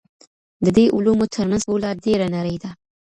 د دې علومو ترمنځ پوله ډېره نرۍ ده.